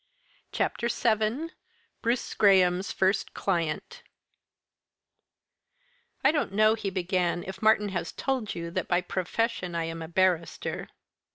CHAPTER VII BRUCE GRAHAM'S FIRST CLIENT "I don't know," he began, "if Martyn has told you that by profession I am a barrister."